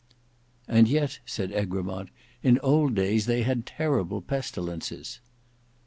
"And yet," said Egremont, "in old days they had terrible pestilences."